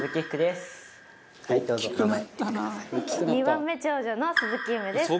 ２番目長女の鈴木夢です。